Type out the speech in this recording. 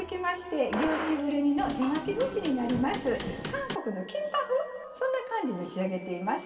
韓国のキンパ風そんな感じに仕上げています。